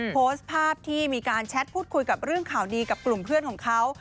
โพสต์ภาพที่มีการแชทพูดคุยกับเรื่องข่าวดีกับกลุ่มเพื่อนของเขา